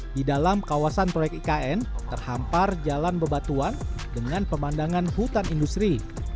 di dalam kawasan proyek ikn terhampar jalan bebatuan dengan pemandangan hutan industri